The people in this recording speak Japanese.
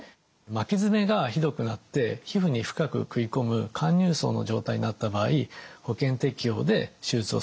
巻き爪がひどくなって皮膚に深くくいこむ陥入爪の状態になった場合保険適用で手術をすることができます。